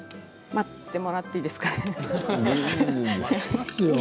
待っていただいていいですか？